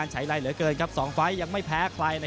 ส่วนช่วงนี้เดินทางมาถึงช่วงวินาที